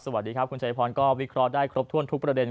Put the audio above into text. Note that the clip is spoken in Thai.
สวัสดีครับคุณชายพรก็วิเคราะห์ได้ครบถ้วนทุกประเด็น